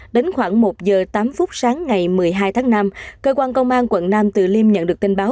đến khoảng một giờ tám phút sáng ngày một mươi hai tháng năm cơ quan công an quận nam từ liêm nhận được tin báo